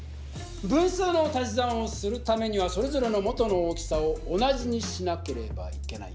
分数の足し算をするためにはそれぞれの元の大きさを同じにしなければいけない。